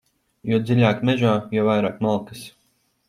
Jo dziļāk mežā, jo vairāk malkas.